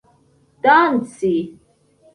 danci